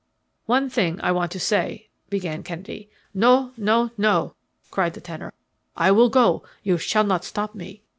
"One thing I want to say," began Kennedy. "No, no, no!" cried the tenor. "I will go you shall not stop me."